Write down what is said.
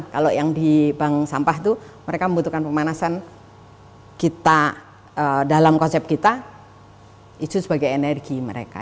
kalau yang di bank sampah itu mereka membutuhkan pemanasan kita dalam konsep kita itu sebagai energi mereka